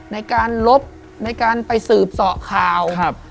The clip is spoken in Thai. ในการลบในการไปสืบเสาะข่าว